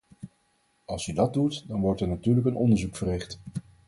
Als u dat doet dan wordt er natuurlijk een onderzoek verricht.